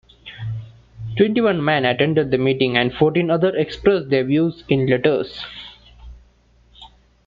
Twenty-one men attended the meeting and fourteen other expressed their views in letters.